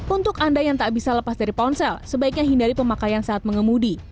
untuk anda yang tak bisa lepas dari ponsel sebaiknya hindari pemakaian saat mengemudi